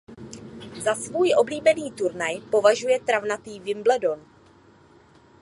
Za svůj oblíbený turnaj považuje travnatý Wimbledon.